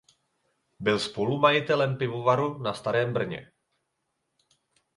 Byl spolumajitelem pivovaru na Starém Brně.